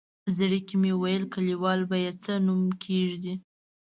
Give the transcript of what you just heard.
زړه کې مې ویل کلیوال به یې څه نوم کېږدي.